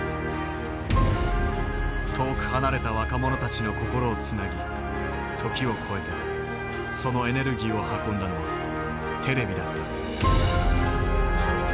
遠く離れた若者たちの心をつなぎ時を超えてそのエネルギーを運んだのはテレビだった。